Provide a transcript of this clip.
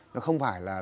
nó không phải là